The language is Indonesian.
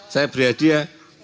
saya beri adik ya